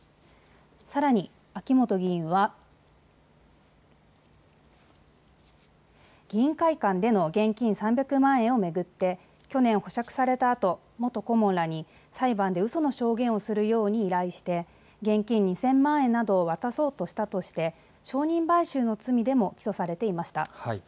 さらに秋元議員は議員会館での現金３００万円を巡って去年保釈されたあと、元顧問らに裁判でうその証言をするように依頼して現金２０００万円などを渡そうとしたとして証人買収の罪でも起訴されていました。